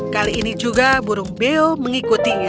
kali ini juga burung beo mengikutinya